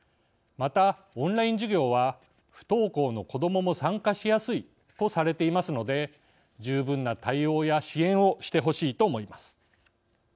また、オンライン授業は不登校の子どもも参加しやすいとされていますので十分な対応や支援をしてほしいと思います。